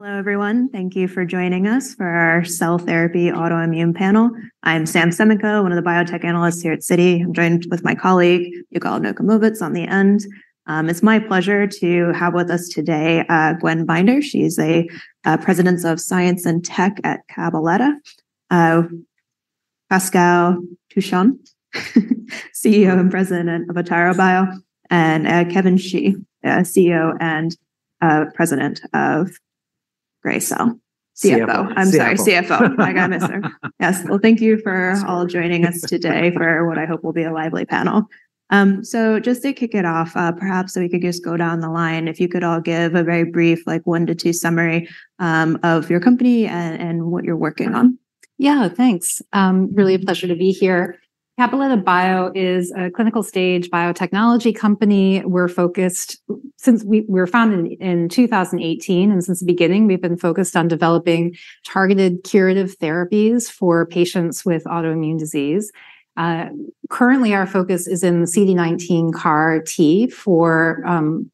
Hello, everyone. Thank you for joining us for our Cell Therapy Autoimmune Panel. I'm Sam Semenkow, one of the biotech analysts here at Citi. I'm joined with my colleague, Yigal Nochomovitz, on the end. It's my pleasure to have with us today, Gwen Binder. She's President of Science and Technology at Cabaletta Bio, Pascal Touchon, CEO and President of Atara Bio, and Kevin Xie, CEO and President of Gracell. CFO. CFO. I'm sorry, CFO. I got it wrong. Yes. Well, thank you for all joining us today for what I hope will be a lively panel. So just to kick it off, perhaps we could just go down the line, if you could all give a very brief, like, one to two summary of your company and what you're working on. Yeah, thanks. Really a pleasure to be here. Cabaletta Bio is a clinical stage biotechnology company. We're focused since we were founded in 2018, and since the beginning, we've been focused on developing targeted curative therapies for patients with autoimmune disease. Currently, our focus is in the CD19 CAR T for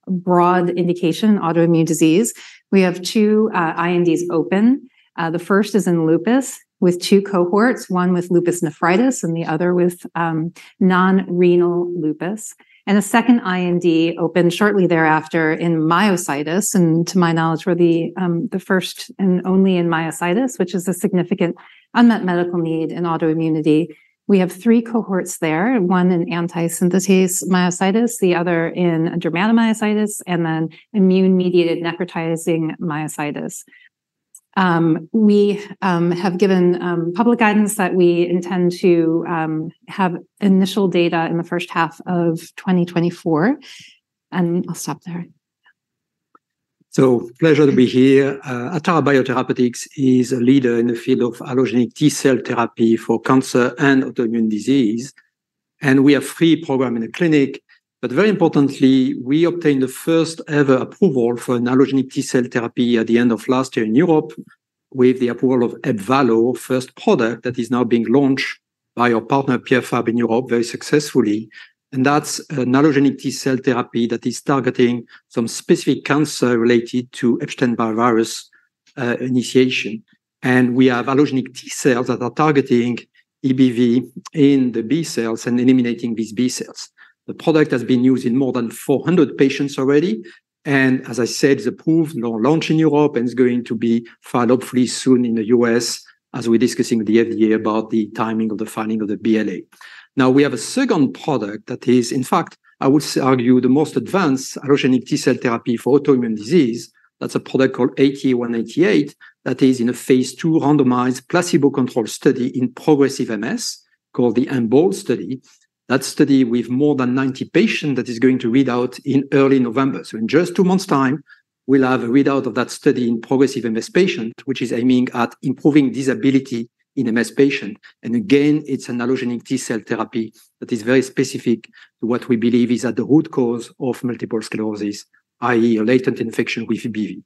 broad indication autoimmune disease. We have two INDs open. The first is in lupus, with two cohorts, one with lupus nephritis and the other with non-renal lupus, and a second IND opened shortly thereafter in myositis, and to my knowledge, we're the first and only in myositis, which is a significant unmet medical need in autoimmunity. We have three cohorts there, one in antisynthetase myositis, the other in dermatomyositis, and then immune-mediated necrotizing myositis. We have given public guidance that we intend to have initial data in the first half of 2024, and I'll stop there. Pleasure to be here. Atara Biotherapeutics is a leader in the field of allogeneic T cell therapy for cancer and autoimmune disease, and we have three program in the clinic. But very importantly, we obtained the first-ever approval for an allogeneic T cell therapy at the end of last year in Europe, with the approval of Ebvallo, first product that is now being launched by our partner, Pierre Fabre, in Europe very successfully. And that's an allogeneic T cell therapy that is targeting some specific cancer related to Epstein-Barr virus, initiation. And we have allogeneic T cells that are targeting EBV in the B cells and eliminating these B cells. The product has been used in more than 400 patients already, and as I said, it's approved and on launch in Europe and is going to be filed hopefully soon in the US, as we're discussing with the FDA about the timing of the filing of the BLA. Now, we have a second product that is, in fact, I would argue, the most advanced allogeneic T cell therapy for autoimmune disease. That's a product called ATA188, that is in a phase two randomized, placebo-controlled study in progressive MS, called the EMBOLD study. That study with more than 90 patients, that is going to read out in early November. So in just 2 months' time, we'll have a readout of that study in progressive MS patient, which is aiming at improving disability in MS patient. And again, it's an allogeneic T cell therapy that is very specific to what we believe is at the root cause of multiple sclerosis, i.e., a latent infection with EBV.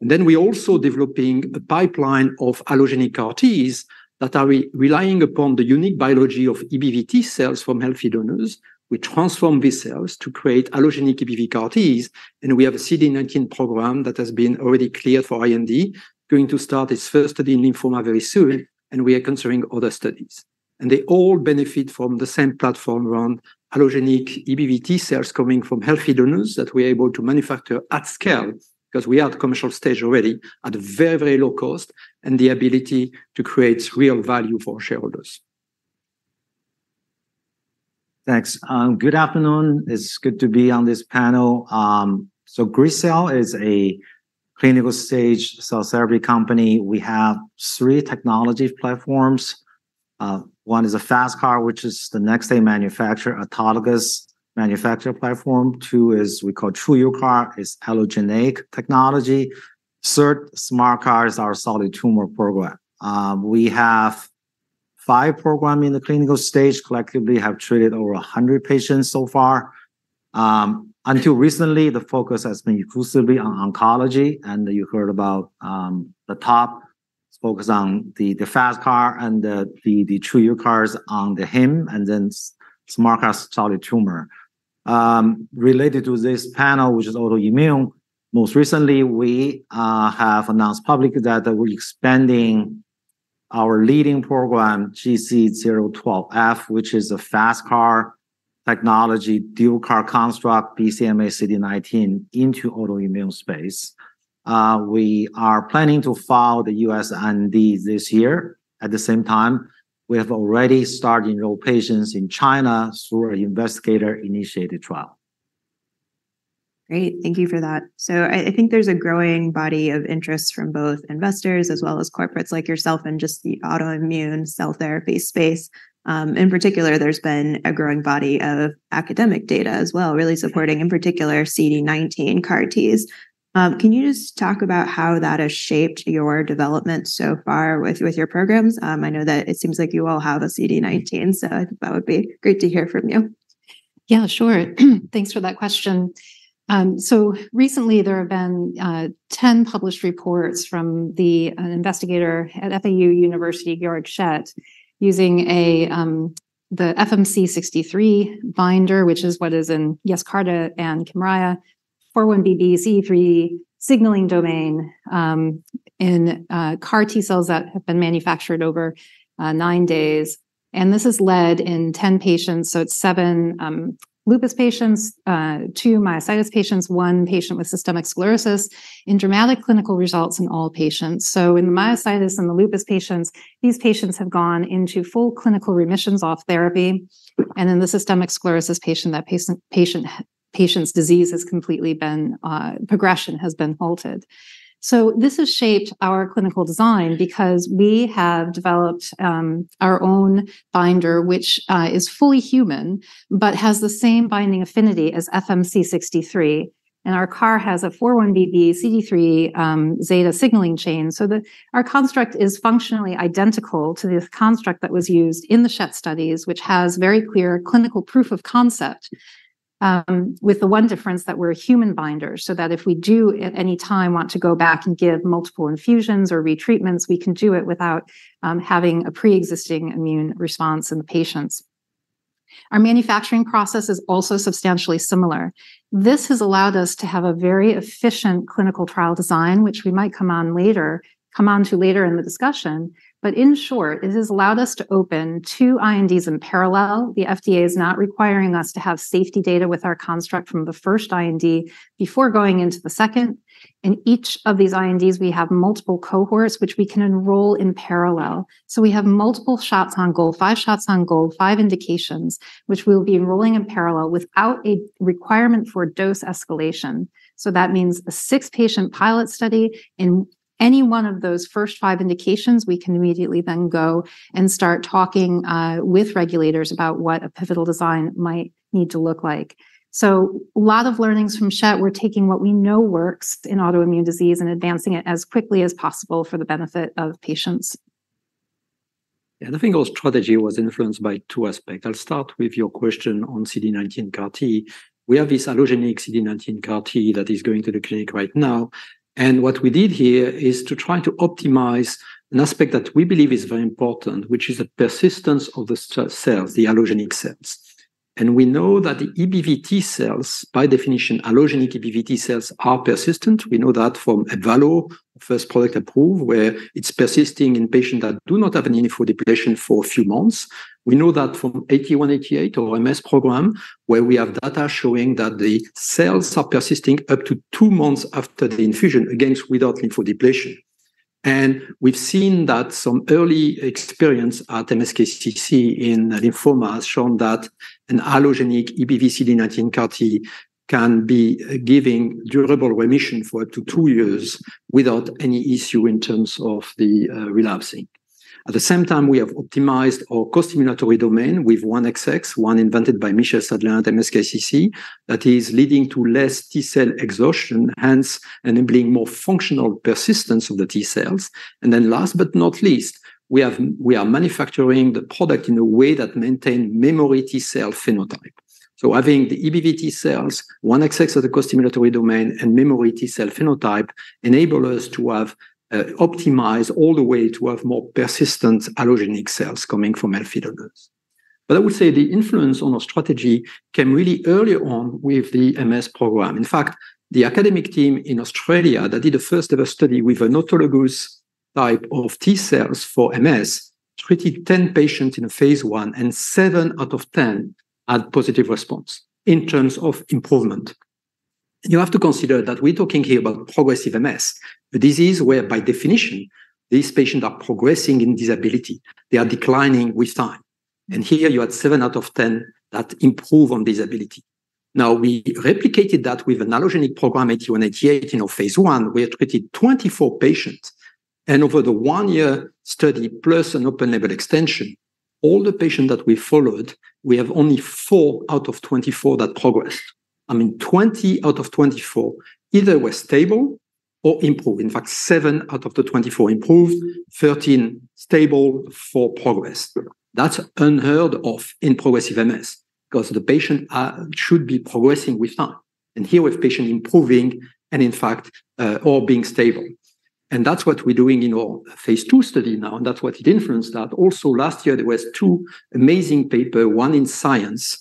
And then we're also developing a pipeline of allogeneic CAR Ts that are relying upon the unique biology of EBV T cells from healthy donors. We transform these cells to create allogeneic EBV CAR Ts, and we have a CD19 program that has been already cleared for IND, going to start its first study in lymphoma very soon, and we are considering other studies. And they all benefit from the same platform around allogeneic EBV T cells coming from healthy donors that we're able to manufacture at scale, cause we are at commercial stage already, at a very, very low cost, and the ability to create real value for shareholders. Thanks. Good afternoon. It's good to be on this panel. So Gracell is a clinical stage cell therapy company. We have three technology platforms. One is a FasTCAR, which is the next day manufacture, autologous manufacture platform. Two is we call TruUCAR, is allogeneic technology. Third, SMART CART is our solid tumor program. We have five programs in the clinical stage, collectively have treated over 100 patients so far. Until recently, the focus has been exclusively on oncology, and you heard about the top focus on the FasTCAR and the TruUCARs on the HIM, and then SMART CART solid tumor. Related to this panel, which is autoimmune, most recently, we have announced publicly that we're expanding our leading program, GC012F, which is a FasTCAR technology, dual CAR construct, BCMA CD19 into autoimmune space. We are planning to file the U.S. IND this year. At the same time, we have already started to enroll patients in China through an investigator-initiated trial. Great. Thank you for that. So I, I think there's a growing body of interest from both investors as well as corporates like yourself in just the autoimmune cell therapy space. In particular, there's been a growing body of academic data as well, really supporting, in particular, CD19 CAR Ts. Can you just talk about how that has shaped your development so far with, with your programs? I know that it seems like you all have a CD19, so I think that would be great to hear from you. Yeah, sure. Thanks for that question. So recently, there have been 10 published reports from an investigator at FAU University, Georg Schett, using the FMC63 binder, which is what is in Yescarta and Kymriah. 4-1BB CD3 signaling domain in CAR T-cells that have been manufactured over 9 days. And this has led in 10 patients, so it's seven lupus patients, two myositis patients, one patient with systemic sclerosis, in dramatic clinical results in all patients. So in the myositis and the lupus patients, these patients have gone into full clinical remissions off therapy, and in the systemic sclerosis patient, that patient's disease has completely been, progression has been halted. So this has shaped our clinical design because we have developed our own binder, which is fully human but has the same binding affinity as FMC63. And our CAR has a 4-1BB CD3 zeta signaling chain, so our construct is functionally identical to the construct that was used in the Schett studies, which has very clear clinical proof of concept, with the one difference that we're a human binder, so that if we do, at any time, want to go back and give multiple infusions or retreatments, we can do it without having a preexisting immune response in the patients. Our manufacturing process is also substantially similar. This has allowed us to have a very efficient clinical trial design, which we might come on later, come on to later in the discussion. But in short, it has allowed us to open 2 INDs in parallel. The FDA is not requiring us to have safety data with our construct from the first IND before going into the second. In each of these INDs, we have multiple cohorts which we can enroll in parallel. So we have multiple shots on goal, 5 shots on goal, 5 indications, which we'll be enrolling in parallel without a requirement for dose escalation. So that means a 6-patient pilot study. In any one of those first 5 indications, we can immediately then go and start talking with regulators about what a pivotal design might need to look like. So a lot of learnings from Schett. We're taking what we know works in autoimmune disease and advancing it as quickly as possible for the benefit of patients. I think our strategy was influenced by two aspects. I'll start with your question on CD19 CAR T. We have this allogeneic CD19 CAR T that is going to the clinic right now, and what we did here is to try to optimize an aspect that we believe is very important, which is the persistence of the cells, the allogeneic cells. We know that the EBV-T cells, by definition, allogeneic EBV-T cells are persistent. We know that from Ebvallo, first product approved, where it's persisting in patients that do not have any lymphodepletion for a few months. We know that from ATA188, our MS program, where we have data showing that the cells are persisting up to two months after the infusion, again, without lymphodepletion. And we've seen that some early experience at MSKCC in lymphoma has shown that an allogeneic EBV CD19 CAR T can be giving durable remission for up to two years without any issue in terms of the relapsing. At the same time, we have optimized our costimulatory domain with 1XX, one invented by Michel Sadelain at MSKCC, that is leading to less T-cell exhaustion, hence enabling more functional persistence of the T-cells. And then last but not least, we are manufacturing the product in a way that maintain memory T-cell phenotype. So having the EBV-T cells, 1XX of the costimulatory domain, and memory T-cell phenotype enable us to have optimize all the way to have more persistent allogeneic cells coming from our filters. But I would say the influence on our strategy came really early on with the MS program. In fact, the academic team in Australia that did the first-ever study with an autologous type of T-cells for MS treated 10 patients in a phase 1, and seven out of 10 had positive response in terms of improvement. You have to consider that we're talking here about progressive MS, a disease where by definition these patients are progressing in disability. They are declining with time. And here you had seven out of 10 that improve on disability. Now, we replicated that with an allogeneic program, ATA188. In our phase 1, we had treated 24 patients, and over the 1-year study plus an open-label extension, all the patients that we followed, we have only four out of 24 that progressed. I mean, 20 out of 24 either were stable or improved. In fact, seven out of the 24 improved, 13 stable, four progressed. That's unheard of in progressive MS because the patient should be progressing with time, and here we have patients improving and in fact, all being stable. That's what we're doing in our phase 2 study now, and that's what it influenced that. Also last year, there were two amazing papers, one in Science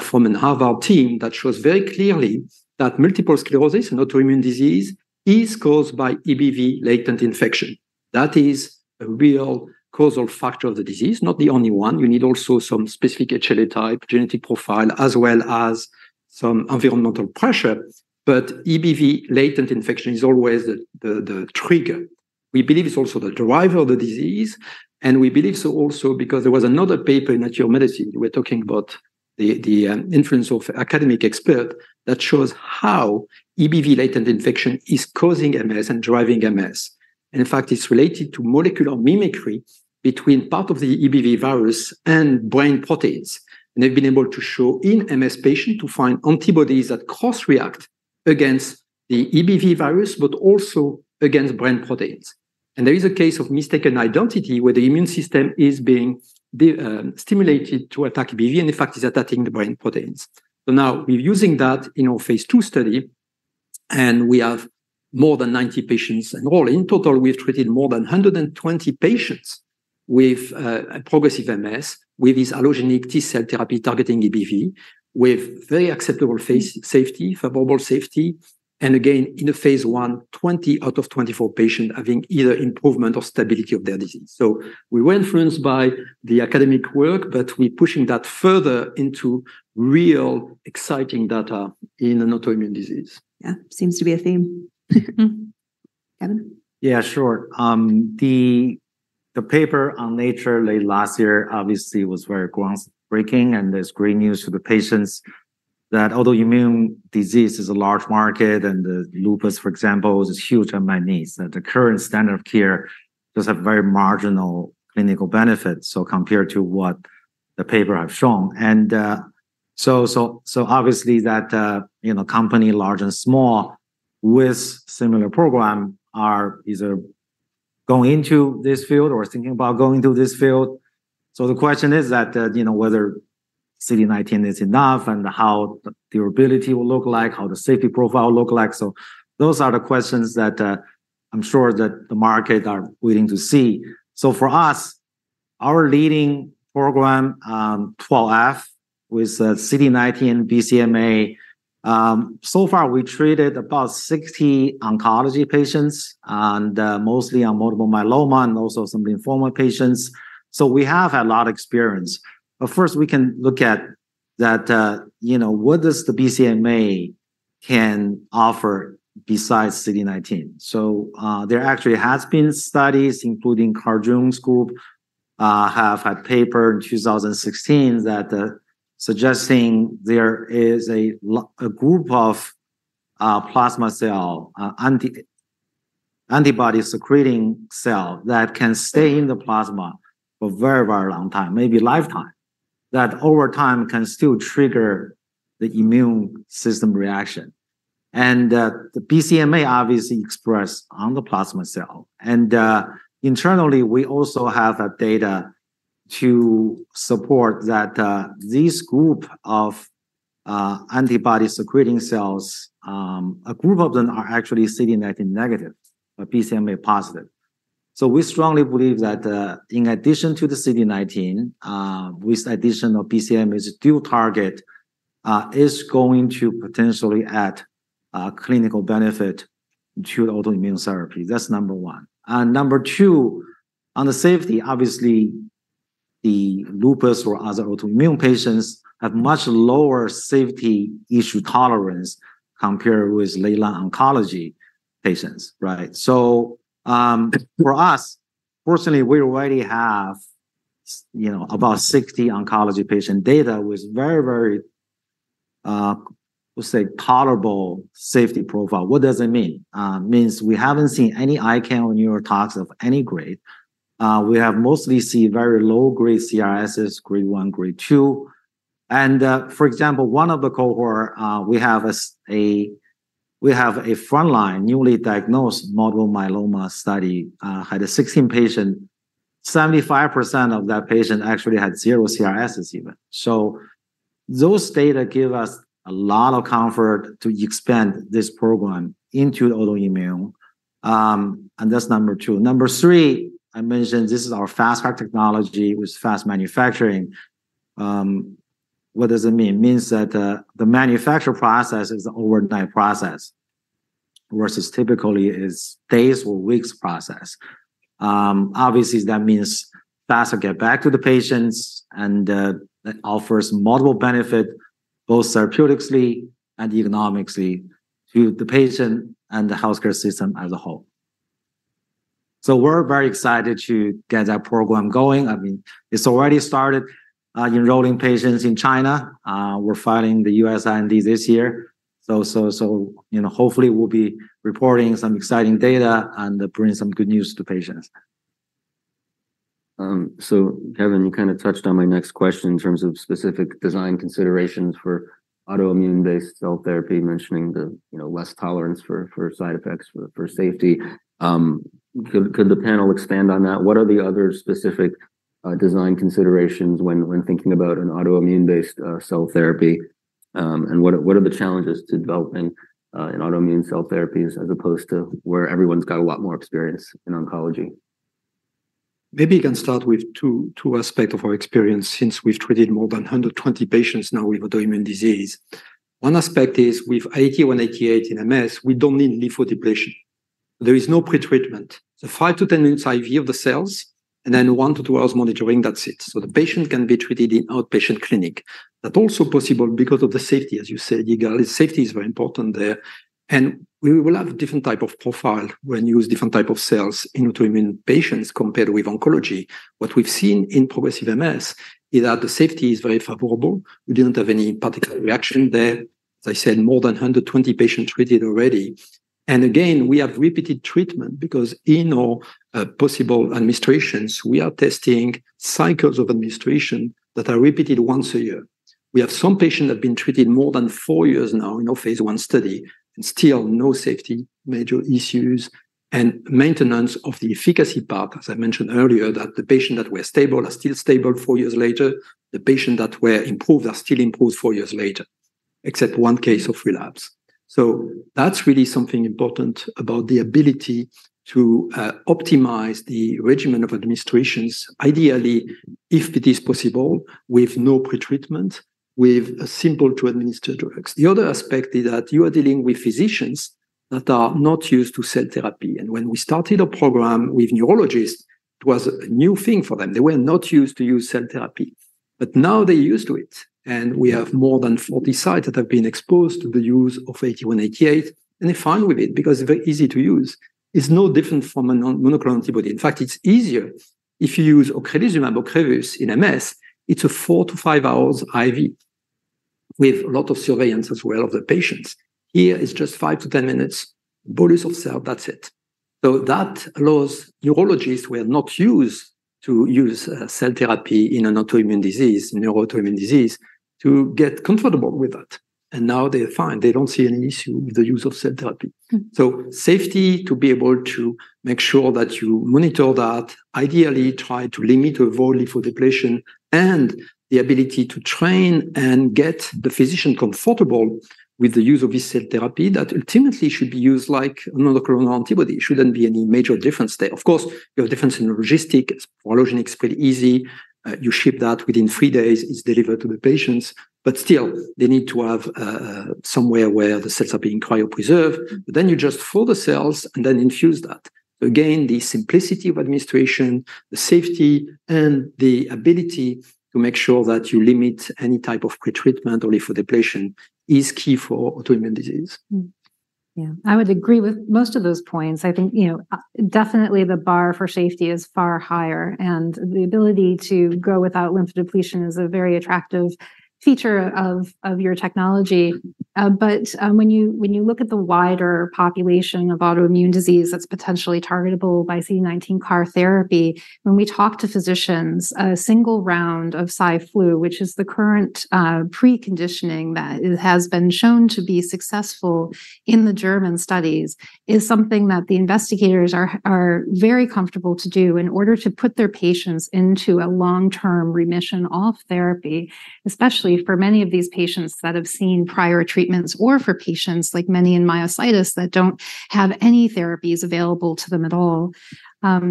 from a Harvard team that shows very clearly that multiple sclerosis, an autoimmune disease, is caused by EBV latent infection. That is a real causal factor of the disease, not the only one. You need also some specific HLA type, genetic profile, as well as some environmental pressure, but EBV latent infection is always the trigger. We believe it's also the driver of the disease, and we believe so also because there was another paper in Nature Medicine. We're talking about the influence of academic expert that shows how EBV latent infection is causing MS and driving MS. And in fact, it's related to molecular mimicry between part of the EBV virus and brain proteins. And they've been able to show in MS patient to find antibodies that cross-react against the EBV virus, but also against brain proteins. And there is a case of mistaken identity, where the immune system is being stimulated to attack EBV, and in fact, is attacking the brain proteins. So now we're using that in our phase 2 study, and we have more than 90 patients in all. In total, we have treated more than 120 patients.... with a progressive MS, with this allogeneic T-cell therapy targeting EBV, with very acceptable phase safety, favorable safety, and again, in a phase 1, 20 out of 24 patients having either improvement or stability of their disease. So we were influenced by the academic work, but we're pushing that further into real exciting data in an autoimmune disease. Yeah. Seems to be a theme. Kevin? Yeah, sure. The paper on Nature late last year obviously was very groundbreaking, and there's great news to the patients that although immune disease is a large market and the lupus, for example, is huge and immense, that the current standard of care does have very marginal clinical benefit, so compared to what the paper have shown. And so obviously that, you know, company, large and small, with similar program are either going into this field or thinking about going into this field. So the question is that, you know, whether CD19 is enough and how the durability will look like, how the safety profile look like. So those are the questions that, I'm sure that the market are waiting to see. For us, our leading program, twelve F with CD19 BCMA, so far we treated about 60 oncology patients and mostly on multiple myeloma and also some lymphoma patients. We have a lot of experience. First, we can look at that, you know, what does the BCMA can offer besides CD19? There actually has been studies, including Carjun's group, have had paper in 2016 that, suggesting there is a lo- a group of plasma cell, antibody-secreting cell that can stay in the plasma for a very, very long time, maybe a lifetime, that over time can still trigger the immune system reaction. The BCMA obviously express on the plasma cell. Internally, we also have data to support that this group of antibody-secreting cells, you know, a group of them are actually CD19 negative, but BCMA positive. We strongly believe that, in addition to the CD19, with additional BCMA's dual target, is going to potentially add a clinical benefit to autoimmune therapy. That's number one. Number two, on the safety, obviously, the lupus or other autoimmune patients have much lower safety issue tolerance compared with late-line oncology patients, right? For us, fortunately, we already have, you know, about 60 oncology patient data with very, very, let's say, tolerable safety profile. What does it mean? Means we haven't seen any ICAN or neurotox of any grade. We have mostly seen very low-grade CRSS, grade one, grade two. For example, one of the cohorts we have as we have a frontline, newly diagnosed multiple myeloma study had a 16-patient. 75% of that patient actually had zero CRS even. So those data give us a lot of comfort to expand this program into autoimmune. And that's number two. Number three, I mentioned this is our fast track technology with fast manufacturing. What does it mean? It means that the manufacture process is an overnight process, versus typically is days or weeks process. Obviously, that means faster get back to the patients and that offers multiple benefit, both therapeutically and economically to the patient and the healthcare system as a whole. So we're very excited to get that program going. I mean, it's already started enrolling patients in China. We're filing the U.S. IND this year. You know, hopefully, we'll be reporting some exciting data and bring some good news to patients. So Kevin, you kind of touched on my next question in terms of specific design considerations for autoimmune-based cell therapy, mentioning the, you know, less tolerance for side effects for safety. Could the panel expand on that? What are the other specific design considerations when thinking about an autoimmune-based cell therapy? And what are the challenges to developing an autoimmune cell therapies as opposed to where everyone's got a lot more experience in oncology? Maybe you can start with two aspects of our experience since we've treated more than 120 patients now with autoimmune disease. One aspect is with ATA188 in MS, we don't need lymphodepletion. There is no pretreatment. So 5-10 minutes IV of the cells, and then 1-2 hours monitoring, that's it. So the patient can be treated in outpatient clinic. That's also possible because of the safety, as you said, Yigal. Safety is very important there, and we will have different type of profile when you use different type of cells in autoimmune patients compared with oncology. What we've seen in progressive MS is that the safety is very favorable. We didn't have any particular reaction there. As I said, more than 120 patients treated already. And again, we have repeated treatment because in all, possible administrations, we are testing cycles of administration that are repeated once a year. We have some patients that have been treated more than four years now in our phase one study, and still no safety major issues and maintenance of the efficacy part. As I mentioned earlier, that the patient that were stable are still stable four years later. The patient that were improved are still improved four years later... except one case of relapse. So that's really something important about the ability to, optimize the regimen of administrations, ideally, if it is possible, with no pretreatment, with simple-to-administer drugs. The other aspect is that you are dealing with physicians that are not used to cell therapy, and when we started a program with neurologists, it was a new thing for them. They were not used to use cell therapy, but now they're used to it, and we have more than 40 sites that have been exposed to the use of ATA188, and they're fine with it because it's very easy to use. It's no different from a monoclonal antibody. In fact, it's easier if you use ocrelizumab, Ocrevus, in MS. It's a 4-5 hours IV with a lot of surveillance as well of the patients. Here, it's just 5-10 minutes bolus of cell, that's it. So that allows neurologists who are not used to use cell therapy in an autoimmune disease, neuroautoimmune disease, to get comfortable with that, and now they are fine. They don't see any issue with the use of cell therapy. Mm. So safety, to be able to make sure that you monitor that, ideally try to limit or avoid lymphodepletion, and the ability to train and get the physician comfortable with the use of this cell therapy that ultimately should be used like a monoclonal antibody. It shouldn't be any major difference there. Of course, you have a difference in logistics. Sporanox is pretty easy. You ship that within three days, it's delivered to the patients, but still, they need to have somewhere where the cells are being cryopreserved. But then you just thaw the cells and then infuse that. Again, the simplicity of administration, the safety, and the ability to make sure that you limit any type of pretreatment or lymphodepletion is key for autoimmune disease. Yeah. I would agree with most of those points. I think, you know, definitely the bar for safety is far higher, and the ability to go without lymphodepletion is a very attractive feature of your technology. But when you, when you look at the wider population of autoimmune disease that's potentially targetable by CD19 CAR therapy, when we talk to physicians, a single round of Cy/Flu, which is the current preconditioning that it has been shown to be successful in the German studies, is something that the investigators are very comfortable to do in order to put their patients into a long-term remission off therapy, especially for many of these patients that have seen prior treatments or for patients, like many in myositis, that don't have any therapies available to them at all.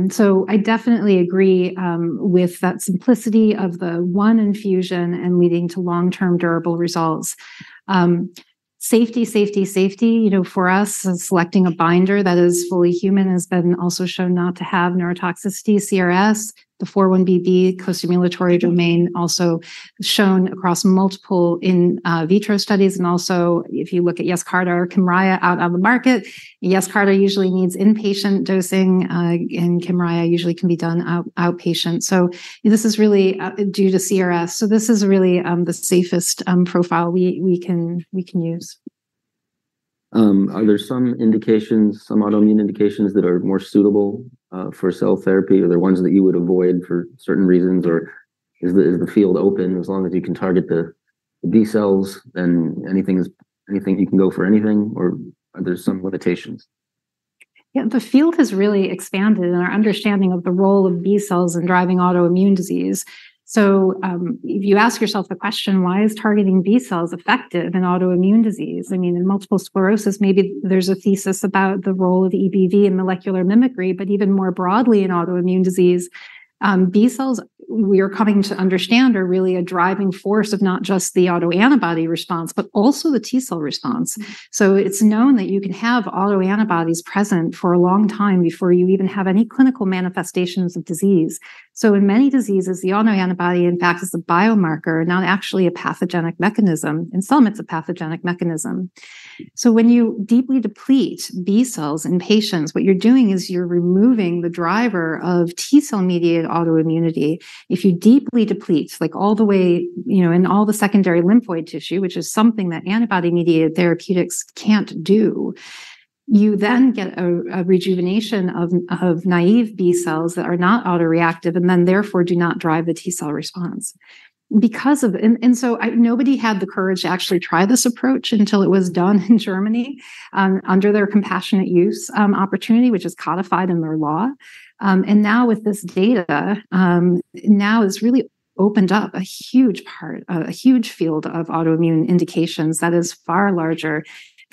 So I definitely agree with that simplicity of the one infusion and leading to long-term durable results. Safety, safety, safety, you know, for us, selecting a binder that is fully human has been also shown not to have neurotoxicity CRS. The 4-1BB costimulatory domain also shown across multiple in vitro studies, and also if you look at Yescarta or Kymriah out on the market, Yescarta usually needs inpatient dosing, and Kymriah usually can be done outpatient. So this is really the safest profile we can use. Are there some indications, some autoimmune indications that are more suitable for cell therapy? Are there ones that you would avoid for certain reasons, or is the field open as long as you can target the B cells and anything is... anything you can go for anything, or are there some limitations? Yeah, the field has really expanded in our understanding of the role of B cells in driving autoimmune disease. So, if you ask yourself the question, "Why is targeting B cells effective in autoimmune disease?" I mean, in multiple sclerosis, maybe there's a thesis about the role of EBV and molecular mimicry, but even more broadly in autoimmune disease, B cells, we are coming to understand, are really a driving force of not just the autoantibody response, but also the T cell response. So it's known that you can have autoantibodies present for a long time before you even have any clinical manifestations of disease. So in many diseases, the autoantibody, in fact, is a biomarker, not actually a pathogenic mechanism. In some, it's a pathogenic mechanism. So when you deeply deplete B cells in patients, what you're doing is you're removing the driver of T cell-mediated autoimmunity. If you deeply deplete, like, all the way, you know, in all the secondary lymphoid tissue, which is something that antibody-mediated therapeutics can't do, you then get a rejuvenation of naive B cells that are not autoreactive and then therefore do not drive the T cell response. Because of... and so nobody had the courage to actually try this approach until it was done in Germany under their compassionate use opportunity, which is codified in their law. And now with this data, now it's really opened up a huge part, a huge field of autoimmune indications that is far larger than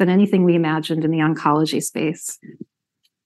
anything we imagined in the oncology space.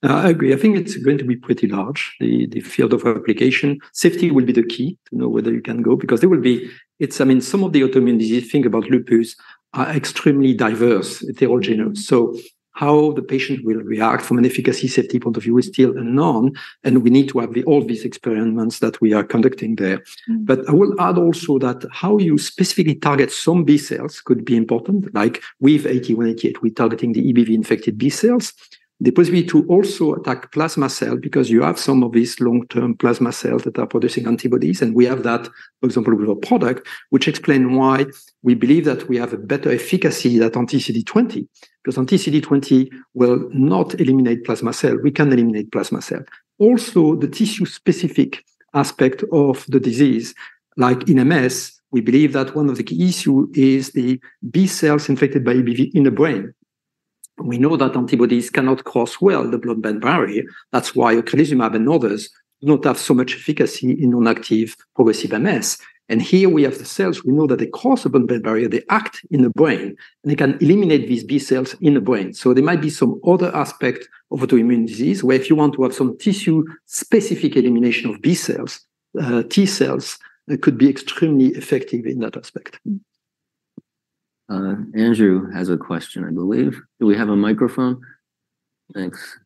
I agree. I think it's going to be pretty large, the field of application. Safety will be the key to know whether you can go, because there will be... It's, I mean, some of the autoimmune disease, think about lupus, are extremely diverse at the whole genome. So how the patient will react from an efficacy safety point of view is still unknown, and we need to have the, all these experiments that we are conducting there. Mm. But I will add also that how you specifically target some B cells could be important, like with ATA188, we're targeting the EBV-infected B cells. The possibility to also attack plasma cell, because you have some of these long-term plasma cells that are producing antibodies, and we have that, for example, with a product, which explain why we believe that we have a better efficacy than anti-CD20. Because anti-CD20 will not eliminate plasma cell. We can eliminate plasma cell. Also, the tissue-specific aspect of the disease, like in MS, we believe that one of the key issue is the B cells infected by EBV in the brain. We know that antibodies cannot cross well the blood-brain barrier. That's why ocrelizumab and others do not have so much efficacy in non-active progressive MS. And here we have the cells. We know that they cross the blood-brain barrier, they act in the brain, and they can eliminate these B cells in the brain. So there might be some other aspect of autoimmune disease, where if you want to have some tissue-specific elimination of B cells, T cells, it could be extremely effective in that aspect. Andrew has a question, I believe. Do we have a microphone? Thanks.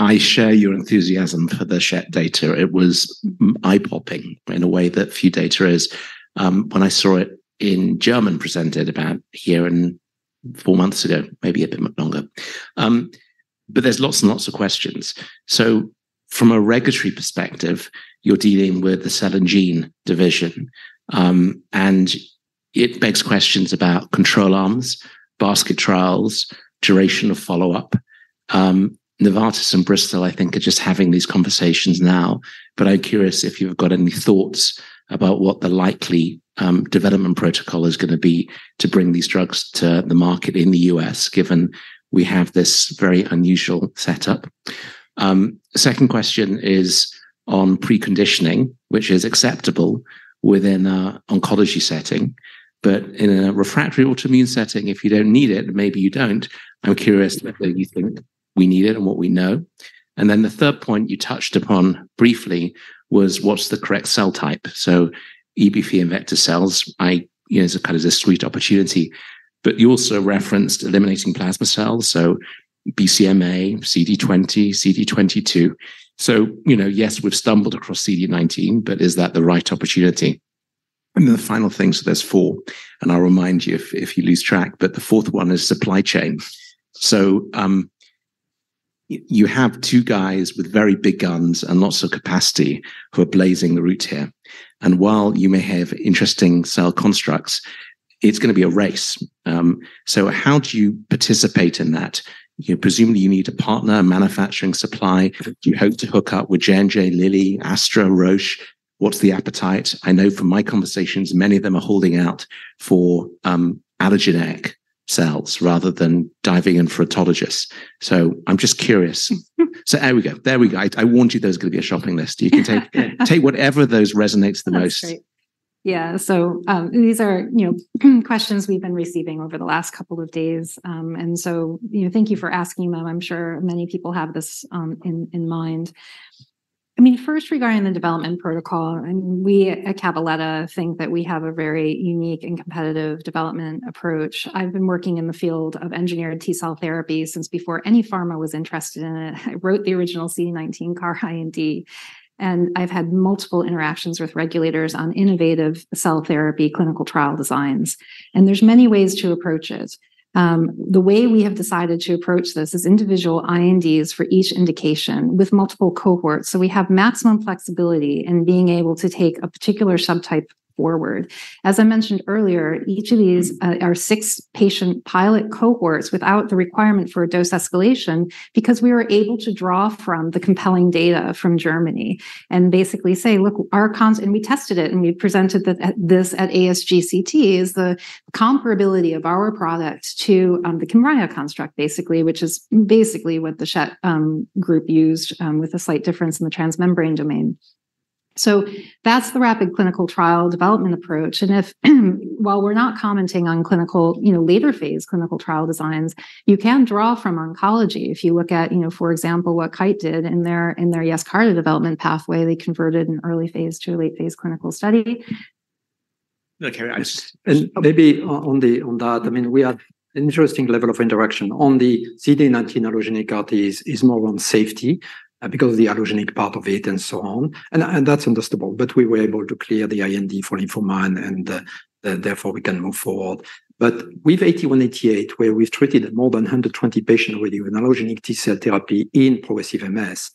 I share your enthusiasm for the Schett data. It was eye-popping in a way that few data is, when I saw it in German presented about a year and four months ago, maybe a bit longer. But there's lots and lots of questions. So from a regulatory perspective, you're dealing with the cell and gene division, and it begs questions about control arms, basket trials, duration of follow-up. Novartis and Bristol, I think, are just having these conversations now, but I'm curious if you've got any thoughts about what the likely, development protocol is gonna be to bring these drugs to the market in the U.S., given we have this very unusual setup? Second question is on preconditioning, which is acceptable within a oncology setting, but in a refractory autoimmune setting, if you don't need it, maybe you don't. I'm curious whether you think we need it and what we know. And then the third point you touched upon briefly was: What's the correct cell type? So EBV and T cells, you know, is a kind of a sweet opportunity, but you also referenced eliminating plasma cells, so BCMA, CD20, CD22. So, you know, yes, we've stumbled across CD19, but is that the right opportunity? And then the final thing, so there's four, and I'll remind you if you lose track, but the fourth one is supply chain. So, you have two guys with very big guns and lots of capacity who are blazing the route here, and while you may have interesting cell constructs, it's gonna be a race. So how do you participate in that? You presumably need a partner, a manufacturing supply. Do you hope to hook up with JNJ, Lilly, Astra, Roche? What's the appetite? I know from my conversations, many of them are holding out for, allogeneic cells rather than diving in for autologous. So I'm just curious. So there we go. There we go. I warned you there was gonna be a shopping list. You can take whatever of those resonates the most. That's great. Yeah, so, these are, you know, questions we've been receiving over the last couple of days. So, you know, thank you for asking them. I'm sure many people have this in mind. I mean, first, regarding the development protocol, and we at Cabaletta think that we have a very unique and competitive development approach. I've been working in the field of engineered T-cell therapy since before any pharma was interested in it. I wrote the original CD19 CAR IND, and I've had multiple interactions with regulators on innovative cell therapy clinical trial designs, and there's many ways to approach it. The way we have decided to approach this is individual INDs for each indication with multiple cohorts, so we have maximum flexibility in being able to take a particular subtype forward. As I mentioned earlier, each of these are six-patient pilot cohorts without the requirement for a dose escalation because we are able to draw from the compelling data from Germany and basically say, "Look." And we tested it, and we presented that at ASGCT is the comparability of our product to the Kymriah construct, basically, which is basically what the Schett group used with a slight difference in the transmembrane domain. So that's the rapid clinical trial development approach, and while we're not commenting on clinical, you know, later-phase clinical trial designs, you can draw from oncology. If you look at, you know, for example, what Kite did in their Yescarta development pathway, they converted an early phase to a late-phase clinical study. Okay, I just... And maybe on the, on that, I mean, we have interesting level of interaction. On the CD19 allogeneic ARTES is more on safety, because of the allogeneic part of it and so on, and that's understandable. We were able to clear the IND for InfoMan, and therefore we can move forward. With ATA188, where we've treated more than 120 patients with an allogeneic T-cell therapy in progressive MS,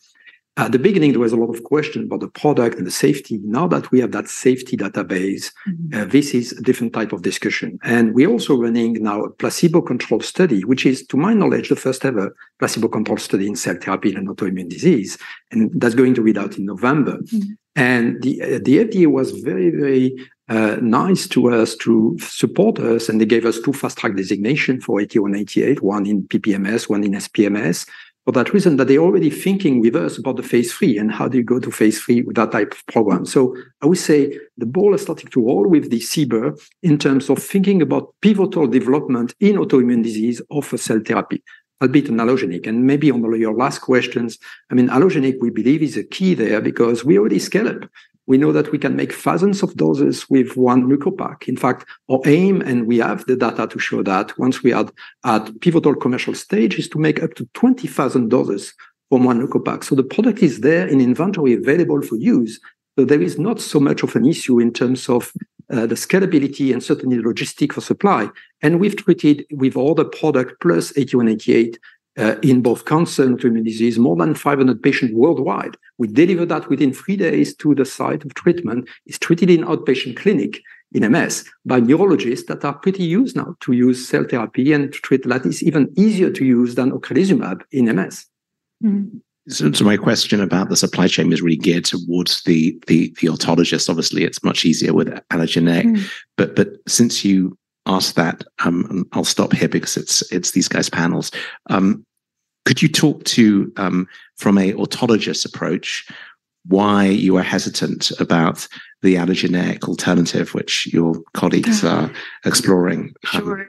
at the beginning, there was a lot of question about the product and the safety. Now that we have that safety database- Mm-hmm. This is a different type of discussion. And we're also running now a placebo-controlled study, which is, to my knowledge, the first ever placebo-controlled study in cell therapy in autoimmune disease, and that's going to read out in November. Mm-hmm. And the, the FDA was very, very, nice to us to support us, and they gave us two Fast Track designations for ATA188, one in PPMS, one in SPMS. For that reason, that they're already thinking with us about the phase III and how do you go to phase III with that type of program. So I would say the ball is starting to roll with the CBER in terms of thinking about pivotal development in autoimmune disease of a cell therapy, a bit in allogeneic. And maybe on the, your last questions, I mean, allogeneic, we believe, is a key there because we already scale it. We know that we can make thousands of doses with one leukapheresis pack. In fact, our aim, and we have the data to show that, once we are at pivotal commercial stage, is to make up to 20,000 doses from one leukapheresis pack. So the product is there in inventory available for use, so there is not so much of an issue in terms of the scalability and certainly logistic for supply. And we've treated with all the product plus ATA188 in both cancer and autoimmune disease, more than 500 patients worldwide. We deliver that within 3 days to the site of treatment. It's treated in outpatient clinic in MS by neurologists that are pretty used now to use cell therapy and to treat that. It's even easier to use than ocrelizumab in MS.... Mm-hmm. So, my question about the supply chain is really geared towards the autologous. Obviously, it's much easier with allogeneic. Mm-hmm. But since you asked that, I'll stop here because it's these guys' panels. Could you talk to, from a autologous approach, why you are hesitant about the allogeneic alternative, which your colleagues are exploring? Sure.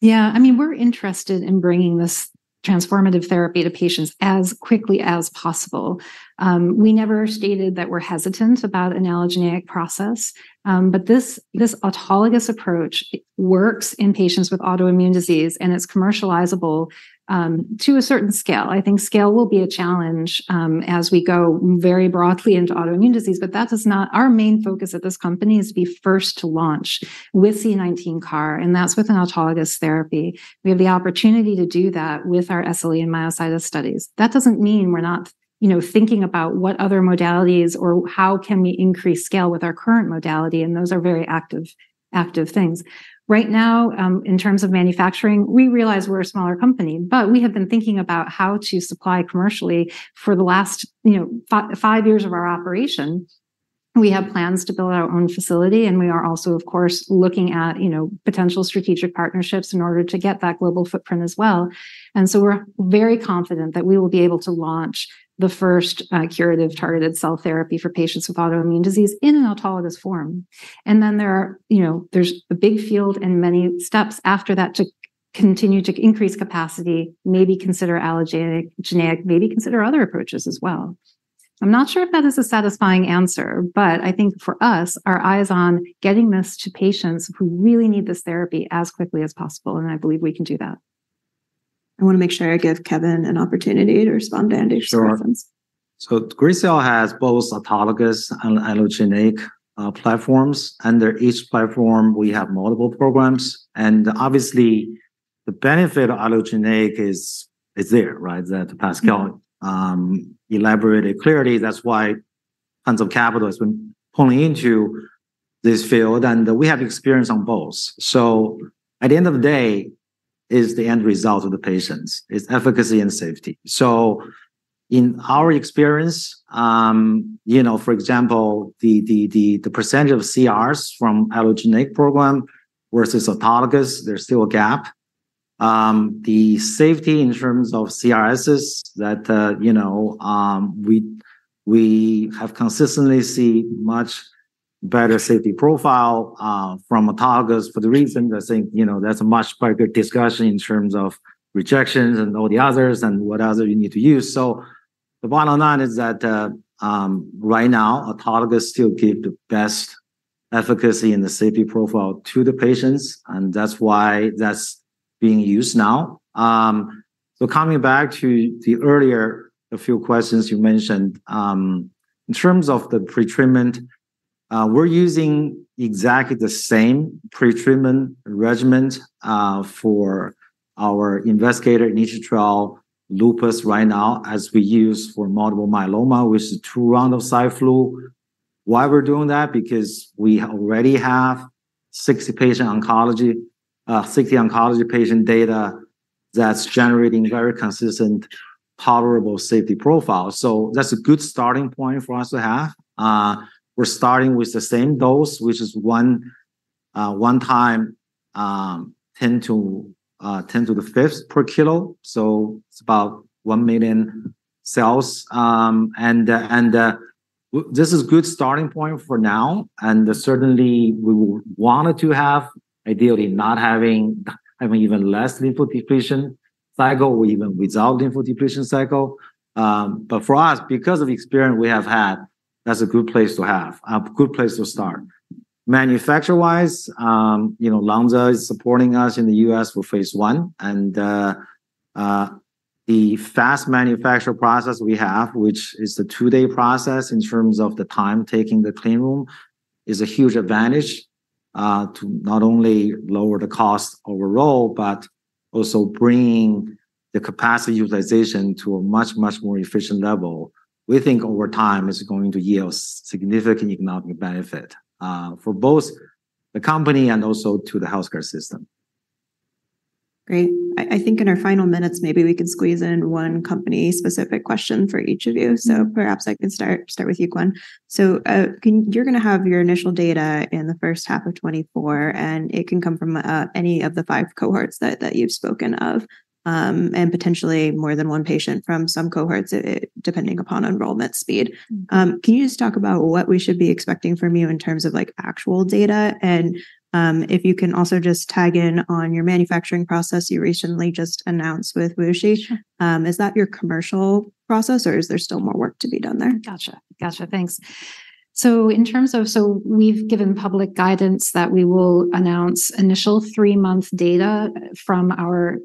Yeah, I mean, we're interested in bringing this transformative therapy to patients as quickly as possible. We never stated that we're hesitant about an allogeneic process, but this, this autologous approach works in patients with autoimmune disease, and it's commercializable, to a certain scale. I think scale will be a challenge, as we go very broadly into autoimmune disease, but that is not... Our main focus at this company is to be first to launch with CD19 CAR, and that's with an autologous therapy. We have the opportunity to do that with our SLE and myositis studies. That doesn't mean we're not, you know, thinking about what other modalities or how can we increase scale with our current modality, and those are very active, active things. Right now, in terms of manufacturing, we realize we're a smaller company, but we have been thinking about how to supply commercially for the last, you know, five years of our operation. We have plans to build our own facility, and we are also, of course, looking at, you know, potential strategic partnerships in order to get that global footprint as well. And so we're very confident that we will be able to launch the first, curative targeted cell therapy for patients with autoimmune disease in an autologous form. And then there are... You know, there's a big field and many steps after that to continue to increase capacity, maybe consider allogeneic, genetic, maybe consider other approaches as well. I'm not sure if that is a satisfying answer, but I think for us, our eye is on getting this to patients who really need this therapy as quickly as possible, and I believe we can do that. I want to make sure I give Kevin an opportunity to respond to Andish reference. Sure. So Gracell has both autologous and allogeneic platforms. Under each platform, we have multiple programs, and obviously, the benefit of allogeneic is there, right? That Pascal elaborated clearly. That's why tons of capital has been pouring into this field, and we have experience on both. So at the end of the day, it's the end result of the patients. It's efficacy and safety. So in our experience, you know, for example, the percentage of CRs from allogeneic program versus autologous, there's still a gap. The safety in terms of CRS is that, you know, we have consistently seen much better safety profile from autologous for the reason I think, you know, there's a much broader discussion in terms of rejections and all the others and what other you need to use. The bottom line is that right now, autologous still give the best efficacy and the safety profile to the patients, and that's why that's being used now. Coming back to the earlier, a few questions you mentioned, in terms of the pretreatment, we're using exactly the same pretreatment regimen for our investigator in each trial, lupus right now, as we use for multiple myeloma, which is two rounds of Cy/Flu. Why we're doing that? Because we already have 60 patient oncology, 60 oncology patient data that's generating very consistent, tolerable safety profile. That's a good starting point for us to have. We're starting with the same dose, which is one, one time, 10 to the fifth per kilo, so it's about 1 million cells. This is a good starting point for now, and certainly, we wanted to have ideally not having, having even less lymphodepletion cycle or even without lymphodepletion cycle. But for us, because of experience we have had, that's a good place to have, a good place to start. Manufacture-wise, you know, Lonza is supporting us in the US for phase one, and the fast manufacture process we have, which is the two-day process in terms of the time taking the clean room, is a huge advantage, to not only lower the cost overall, but also bringing the capacity utilization to a much, much more efficient level. We think over time, it's going to yield significant economic benefit, for both the company and also to the healthcare system. Great. I think in our final minutes, maybe we can squeeze in one company-specific question for each of you. So perhaps I can start with you, Gwen. So, you're going to have your initial data in the first half of 2024, and it can come from any of the five cohorts that you've spoken of, and potentially more than one patient from some cohorts, depending upon enrollment speed. Can you just talk about what we should be expecting from you in terms of, like, actual data? And, if you can also just tag in on your manufacturing process you recently just announced with WuXi. Sure. Is that your commercial process, or is there still more work to be done there? Gotcha. Gotcha, thanks. So in terms of, we've given public guidance that we will announce initial three-month data from our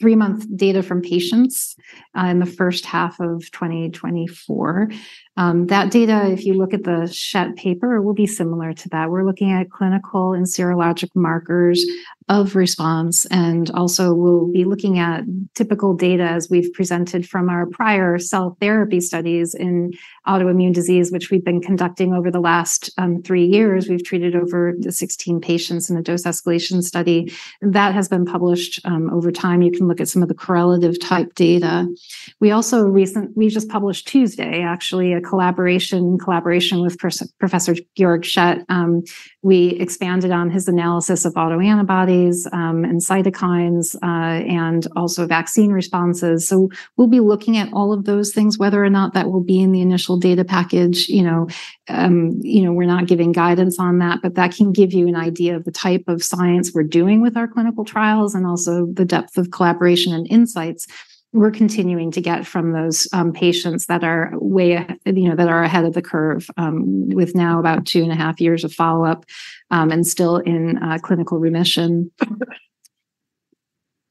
three-month data from patients in the first half of 2024. That data, if you look at the Schett paper, will be similar to that. We're looking at clinical and serologic markers of response, and also we'll be looking at typical data as we've presented from our prior cell therapy studies in autoimmune disease, which we've been conducting over the last three years. We've treated over 16 patients in the dose escalation study. That has been published over time. You can look at some of the correlative type data. We also recently just published Tuesday, actually, a collaboration with Professor Georg Schett. We expanded on his analysis of autoantibodies, and cytokines, and also vaccine responses. So we'll be looking at all of those things, whether or not that will be in the initial data package, you know. You know, we're not giving guidance on that, but that can give you an idea of the type of science we're doing with our clinical trials and also the depth of collaboration and insights we're continuing to get from those patients that are way ahead of the curve, with now about 2.5 years of follow-up and still in clinical remission.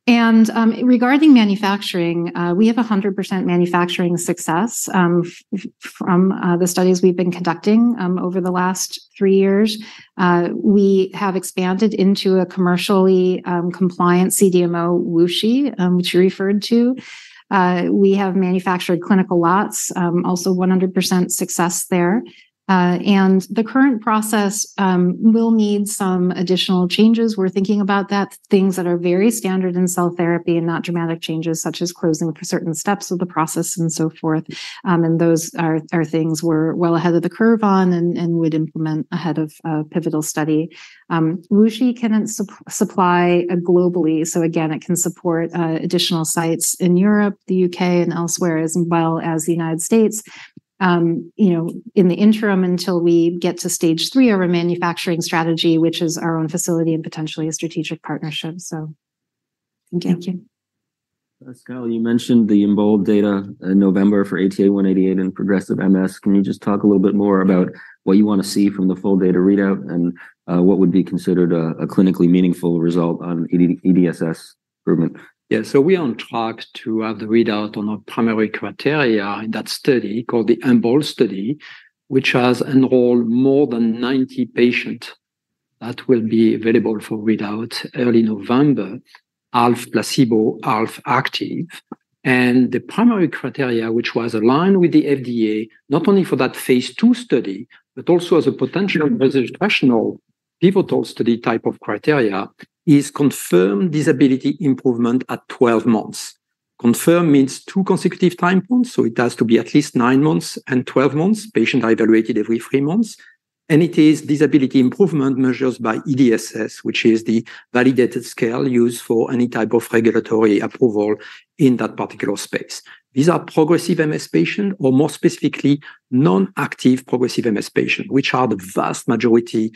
Regarding manufacturing, we have 100% manufacturing success from the studies we've been conducting over the last 3 years. We have expanded into a commercially compliant CDMO, WuXi, which you referred to. We have manufactured clinical lots, also 100% success there. And the current process will need some additional changes. We're thinking about that. Things that are very standard in cell therapy and not dramatic changes, such as closing for certain steps of the process and so forth. And those are things we're well ahead of the curve on and would implement ahead of a pivotal study. WuXi can supply globally, so again, it can support additional sites in Europe, the UK, and elsewhere, as well as the United States. You know, in the interim, until we get to stage three of our manufacturing strategy, which is our own facility and potentially a strategic partnership. So thank you. Thank you. Pascal, you mentioned the EMBOLD data in November for ATA188 and progressive MS. Can you just talk a little bit more about what you want to see from the full data readout, and what would be considered a clinically meaningful result on EDSS improvement? Yeah. So we are on track to have the readout on our primary criteria in that study, called the EMBOLD study, which has enrolled more than 90 patients. That will be available for readout early November, half placebo, half active. And the primary criteria, which was aligned with the FDA, not only for that phase 2 study, but also as a potential registrational pivotal study type of criteria, is confirmed disability improvement at 12 months. Confirmed means two consecutive time points, so it has to be at least nine months and 12 months. Patient evaluated every three months. And it is disability improvement measures by EDSS, which is the validated scale used for any type of regulatory approval in that particular space. These are progressive MS patients, or more specifically, non-active progressive MS patients, which are the vast majority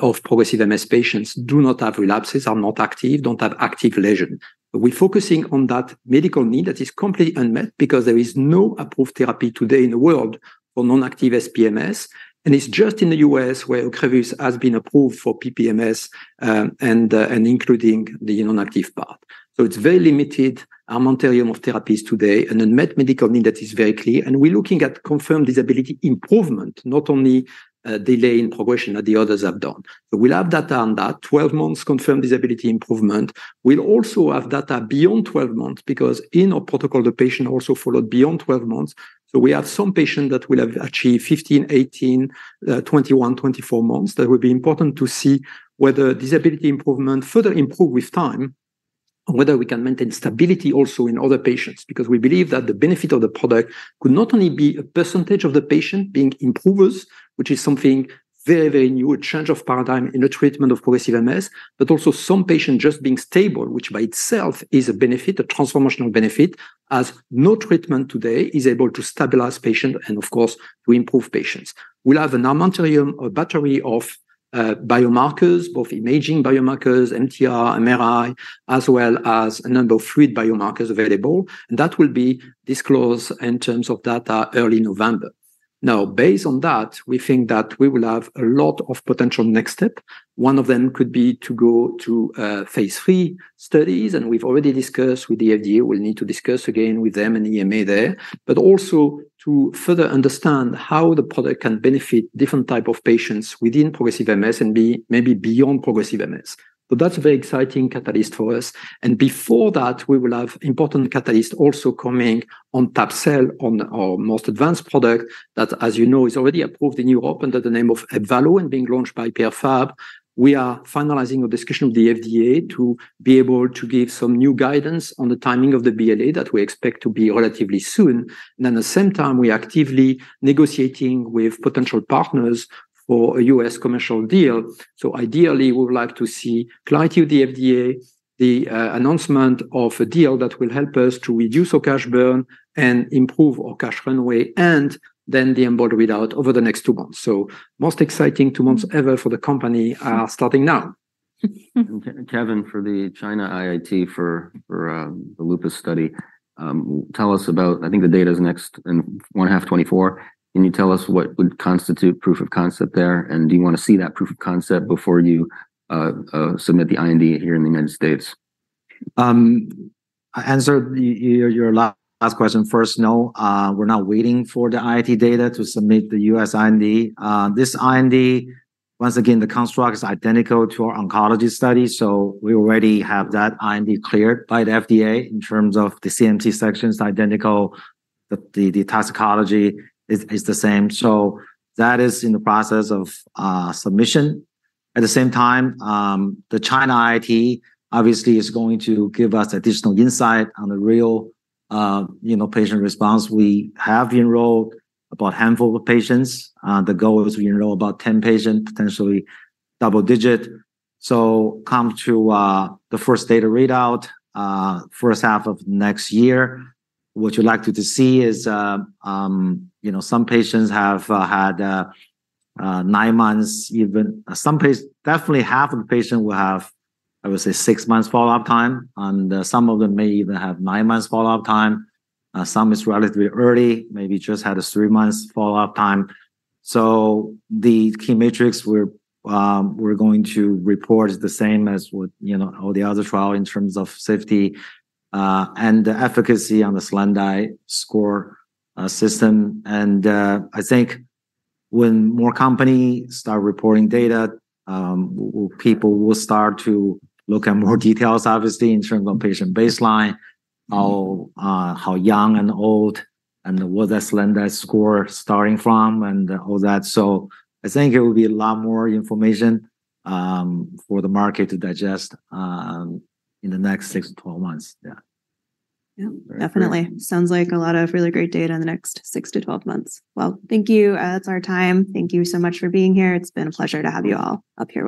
of progressive MS patients, do not have relapses, are not active, don't have active lesions. We're focusing on that medical need that is completely unmet because there is no approved therapy today in the world for non-active SPMS, and it's just in the U.S. where Ocrevus has been approved for PPMS, including the non-active part. So it's very limited armamentarium of therapies today, an unmet medical need that is very clear, and we're looking at confirmed disability improvement, not only delay in progression as the others have done. So we'll have data on that, 12 months confirmed disability improvement. We'll also have data beyond 12 months because in our protocol, the patient also followed beyond 12 months. So we have some patients that will have achieved 15, 18, 21, 24 months. That will be important to see whether disability improvement further improve with time and whether we can maintain stability also in other patients. Because we believe that the benefit of the product could not only be a percentage of the patient being improvers, which is something very, very new, a change of paradigm in the treatment of progressive MS, but also some patients just being stable, which by itself is a benefit, a transformational benefit, as no treatment today is able to stabilize patients and, of course, to improve patients. We'll have an armamentarium or battery of biomarkers, both imaging biomarkers, MTR, MRI, as well as a number of fluid biomarkers available, and that will be disclosed in terms of data early November. Now, based on that, we think that we will have a lot of potential next step. One of them could be to go to phase 3 studies, and we've already discussed with the FDA. We'll need to discuss again with them and EMA there, but also to further understand how the product can benefit different type of patients within progressive MS and be maybe beyond progressive MS. So that's a very exciting catalyst for us. And before that, we will have important catalyst also coming on Tab-cel on our most advanced product that, as you know, is already approved in Europe under the name of Ebvallo and being launched by Pierre Fabre. We are finalizing a discussion with the FDA to be able to give some new guidance on the timing of the BLA that we expect to be relatively soon. At the same time, we're actively negotiating with potential partners for a U.S. commercial deal. Ideally, we would like to see clarity with the FDA, the announcement of a deal that will help us to reduce our cash burn and improve our cash runway, and then the EMBOLD readout over the next two months. Most exciting two months ever for the company are starting now.... Kevin, for the China IIT for the lupus study, tell us about. I think the data is next in 1H 2024. Can you tell us what would constitute proof of concept there? And do you want to see that proof of concept before you submit the IND here in the United States? I answer your last question first. No, we're not waiting for the IIT data to submit the U.S. IND. This IND, once again, the construct is identical to our oncology study, so we already have that IND cleared by the FDA in terms of the CMC sections, identical, the toxicology is the same. So that is in the process of submission. At the same time, the China IIT obviously is going to give us additional insight on the real, you know, patient response. We have enrolled about handful of patients. The goal is we enroll about 10 patients, potentially double digit. So come to the first data readout, first half of next year. What you'd like to see is, you know, some patients have had 9 months, even some definitely half of the patients will have, I would say, 6 months follow-up time, and some of them may even have 9 months follow-up time. Some is relatively early, maybe just had a 3 months follow-up time. So the key metrics we're going to report is the same as with, you know, all the other trials in terms of safety, and the efficacy on the SLEDAI score system. I think when more companies start reporting data, people will start to look at more details, obviously, in terms of patient baseline, how young and old and what the SLEDAI score starting from and all that. I think it will be a lot more information for the market to digest in the next 6-12 months. Yeah. Yeah, definitely. Sounds like a lot of really great data in the next 6-12 months. Well, thank you. That's our time. Thank you so much for being here. It's been a pleasure to have you all up here with us.